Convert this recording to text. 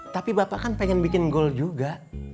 tapi bapak kan pengen bikin gol juga